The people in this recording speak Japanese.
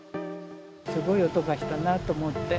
すごい音がしたなと思って。